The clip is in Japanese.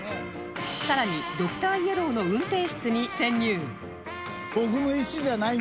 更にドクターイエローの運転室に潜入